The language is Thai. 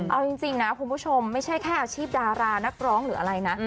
เอาจริงนะคุณผู้ชมไม่ใช่แค่อาชีพดารานักร้องหรืออะไรนะ